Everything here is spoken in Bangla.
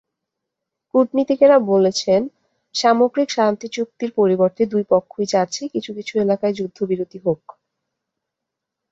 কূটনীতিকেরা বলছেন, সামগ্রিক শান্তিচুক্তির পরিবর্তে দুই পক্ষই চাচ্ছে কিছু কিছু এলাকায় যুদ্ধবিরতি হোক।